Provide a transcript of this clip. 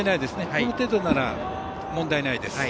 この程度なら問題ないです。